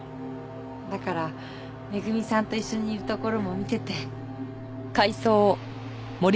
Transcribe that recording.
だから恵さんと一緒にいるところも見てて。